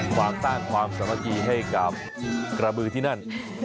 ความสร้างความสามัคคีให้กับกระบือที่นั่น